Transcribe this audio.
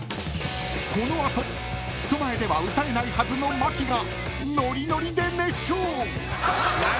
［この後人前では歌えないはずの牧がノリノリで熱唱！］